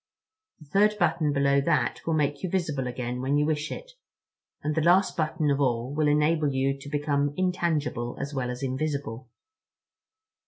The third button below that will make you visible again when you wish it, and the last button of all will enable you to become intangible as well as invisible."